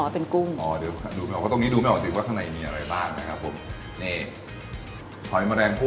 ปากหน้าจูบเพราะว่าปากดำมาก